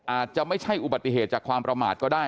อาจจะไม่ใช่อุบัติเหตุจากความประมาทก็ได้